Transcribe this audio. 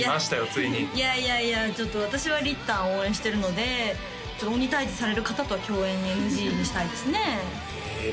ついにいやいやいやちょっと私はりったんを応援してるのでちょっと鬼退治される方と共演ＮＧにしたいですねえ